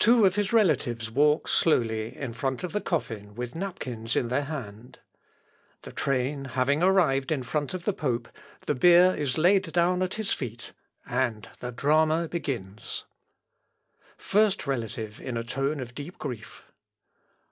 Two of his relatives walk slowly in front of the coffin with napkins in their hand. The train having arrived in front of the pope, the bier is laid down at his feet, and the drama begins: [Sidenote: THE CARNIVAL AT BERNE.] FIRST RELATIVE IN A TONE OF DEEP GRIEF.